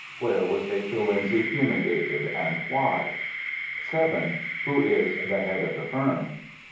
Where was Vachel Lindsay fumigated, and why? 7. Who is "The Head of the Firm"?